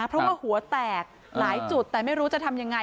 เพราะว่าหัวแตกหลายจุดแต่ไม่รู้จะทำยังไง